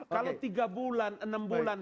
kalau tiga bulan enam bulan